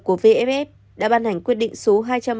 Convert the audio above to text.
của vff đã ban hành quyết định số